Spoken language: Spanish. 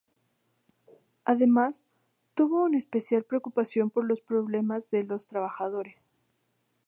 Además, tuvo una especial preocupación por los problemas de los trabajadores.